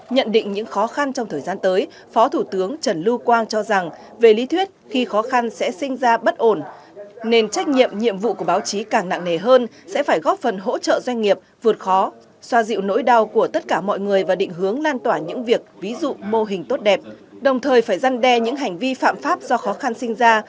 nhận định những khó khăn trong thời gian tới phó thủ tướng trần lưu quang cho rằng về lý thuyết khi khó khăn sẽ sinh ra bất ổn nên trách nhiệm nhiệm vụ của báo chí càng nặng nề hơn sẽ phải góp phần hỗ trợ doanh nghiệp vượt khó xoa dịu nỗi đau của tất cả mọi người và định hướng lan tỏa những việc ví dụ mô hình tốt đẹp đồng thời phải răn đe những hành vi phạm pháp do khó khăn sinh ra